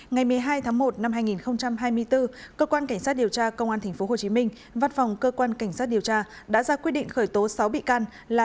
ngày một mươi hai tháng một năm hai nghìn hai mươi bốn cơ quan cảnh sát điều tra công an tp hcm văn phòng cơ quan cảnh sát điều tra đã ra quyết định khởi tố sáu bị can là